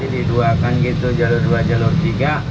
di dua kan gitu jalur dua jalur tiga